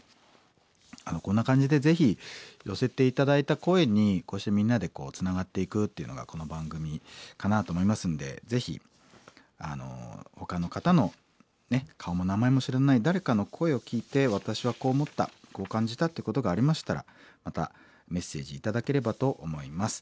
こんな感じでぜひ寄せて頂いた声にこうしてみんなでこうつながっていくっていうのがこの番組かなと思いますんでぜひほかの方の顔も名前も知らない誰かの声を聴いて私はこう思ったこう感じたってことがありましたらまたメッセージ頂ければと思います。